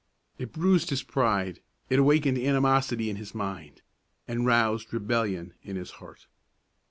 It bruised his pride, it awakened animosity in his mind, and roused rebellion in his heart.